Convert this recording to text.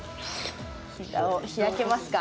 膝を開けますか？